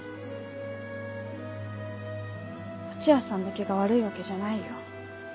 東風谷さんだけが悪いわけじゃないよ